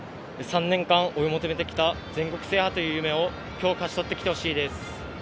３年間、追い求めて来た全国制覇という夢を今日勝ちとってきてほしいです。